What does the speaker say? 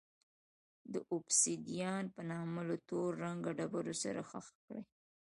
د اوبسیدیان په نامه له تور رنګه ډبرو سره ښخ کړي.